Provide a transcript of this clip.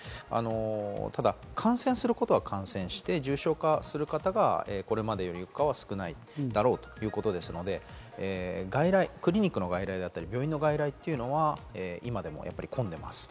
ただ感染するのは感染して重症化する方がこれまでよりかは少ないだろうということですので、クリニックの外来や病院の外来は、今でも混んでいます。